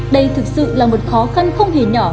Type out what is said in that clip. đây thực sự là một khó khăn không hề nhỏ